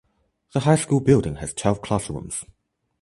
The high school building has twelve classrooms.